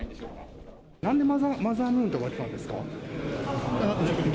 なんでマザームーンとか言ったんですか？